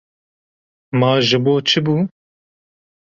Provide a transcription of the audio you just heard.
Ma ji bo çi bû?